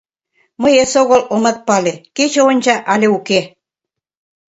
Мый эсогыл омат пале: кече онча але уке?